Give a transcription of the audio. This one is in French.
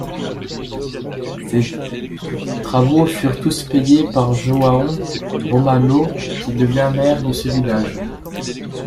Ces travaux furent tous payés par João Ramalho qui devint maire de ce village.